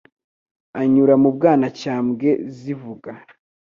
Anyura mu Bwanacyambwe zivuga